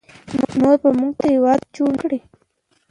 نور به موږ ته هیواد جوړ نکړي